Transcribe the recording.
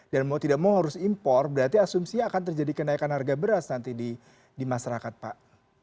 dan mau tidak mau harus impor berarti asumsi akan terjadi kenaikan harga beras nanti di masyarakat pak